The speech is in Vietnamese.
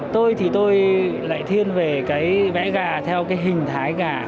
tôi thì tôi lại thiên về cái vẽ gà theo cái hình thái gà